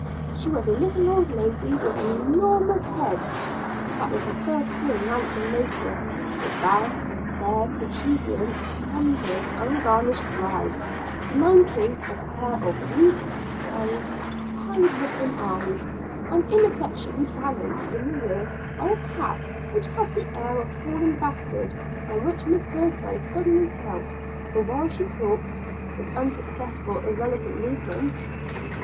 She was a little old lady, with an enormous head; that was the first thing Ransom noticed the vast, fair, protuberant, candid, ungarnished brow, surmounting a pair of weak, kind, tired looking eyes, and ineffectually balanced in the rear by a cap which had the air of falling backward, and which Miss Birdseye suddenly felt for while she talked, with unsuccessful irrelevant movements.